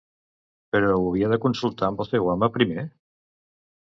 Però ho havia de consultar amb el seu home, primer?